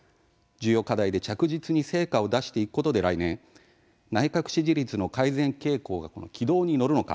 重要課題で着実に成果を出していくことで来年内閣支持率の改善傾向が軌道に乗るのか